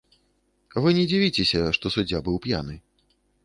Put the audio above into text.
Вы не дзівіцеся, што суддзя быў п'яны.